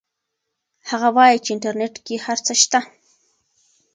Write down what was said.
هغه وایي چې انټرنیټ کې هر څه شته.